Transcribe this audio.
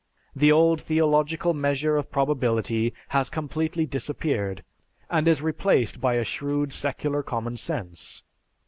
The old theological measure of probability has completely disappeared, and is replaced by a shrewd secular common sense.